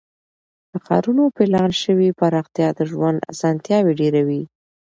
د ښارونو پلان شوې پراختیا د ژوند اسانتیاوې ډیروي.